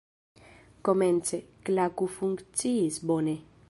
Komence, Klaku funkciis bone.